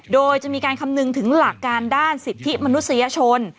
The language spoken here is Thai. โดยจะมีการคำนึงถึงหลักการด้านสิทธิมนุษยชน